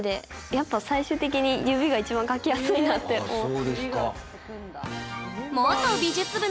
やっぱ最終的に指が一番描きやすいなって思って。